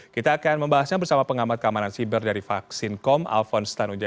kita akan membahasnya bersama pengamat keamanan siber dari vaksin com alphonse tanuja